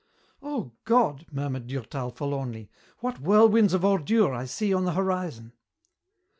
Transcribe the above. "Oh, God!" murmured Durtal forlornly, "what whirlwinds of ordure I see on the horizon!"